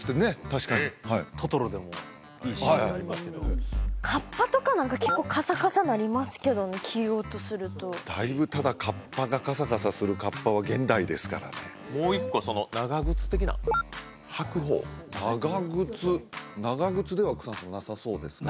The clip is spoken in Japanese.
確かに「トトロ」でもいいシーンありますけどカッパとか何か結構カサカサ鳴りますけどね着ようとするとだいぶただカッパがカサカサするカッパは現代ですからねもう一個長靴的な履く方長靴長靴では草野さんなさそうですかね？